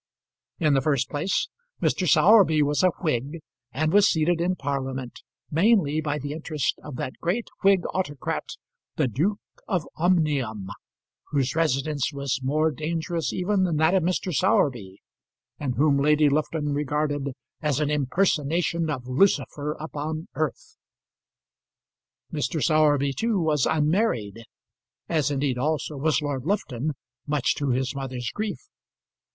In the first place, Mr. Sowerby was a Whig, and was seated in Parliament mainly by the interest of that great Whig autocrat the Duke of Omnium, whose residence was more dangerous even than that of Mr. Sowerby, and whom Lady Lufton regarded as an impersonation of Lucifer upon earth. Mr. Sowerby, too, was unmarried as indeed, also, was Lord Lufton, much to his mother's grief.